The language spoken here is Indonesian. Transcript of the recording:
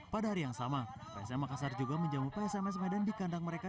pada hari yang sama psm makassar juga menjamu psms medan di kandang mereka